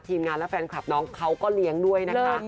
งานและแฟนคลับน้องเขาก็เลี้ยงด้วยนะคะ